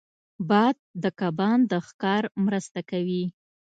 باد د کبان د ښکار مرسته کوي